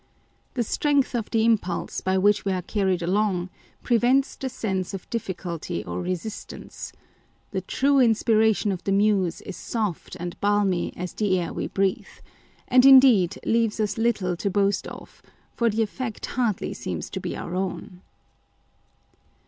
The strength of the impulse by 1 Timon of Athens. i., 1. 164 Genius and its Powers. which we are carried along prevents the sense of difficulty or resistance : the true inspiration of the Muse is soft and balmy as the air we breathe ; and indeed leaves us little to boast of, for the effect hardly seems to be our own.